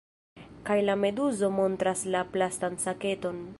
Kaj la meduzo montras la plastan saketon.